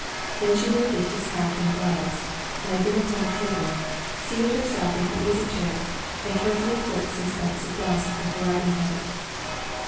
Then she lifted his hat and gloves, laid them upon a table, seated herself in her easy chair, and carefully flicked some specks of dust from her riding habit.